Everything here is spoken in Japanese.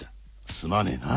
すまねえな。